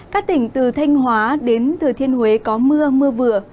các tỉnh từ thanh hóa đến thừa thiên huế có mưa mưa vừa